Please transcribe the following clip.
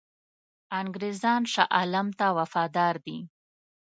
انګرېزان شاه عالم ته وفادار دي.